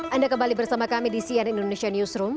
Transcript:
anda kembali bersama kami di cnn indonesia newsroom